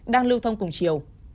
đang lưu thông cùng chiều